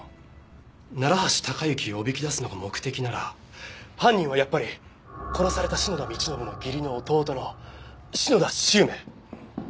楢橋高行をおびき出すのが目的なら犯人はやっぱり殺された篠田道信の義理の弟の篠田周明。